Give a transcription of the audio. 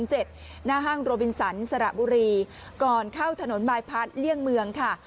หน้าห้างโรบินสันสระบุรีก่อนเข้าถนนบายพัดเลี่ยงเมืองค่ะ